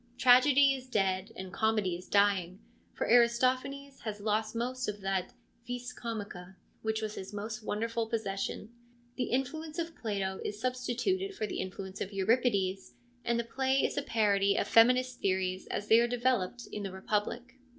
Tragedy is dead, and comedy is dying, for Aristo phanes has lost most of that ' vis comica ' which was Ms most wonderful possession. The influence of Plato is substituted for the influence of Euripides, and the play is a parody of feminist theories as they are developed in the Republic.